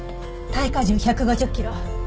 耐荷重１５０キロ。